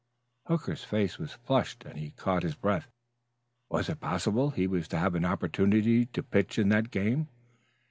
Hooker's face flushed and he caught his breath. Was it possible he was to have an opportunity to pitch in that game?